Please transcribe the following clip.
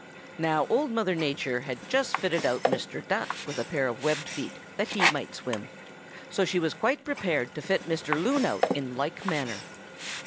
"Now Old Mother Nature had just fitted out Mr. Duck with a pair of webbed feet that he might swim, so she was quite prepared to fit Mr. Loon out in like manner.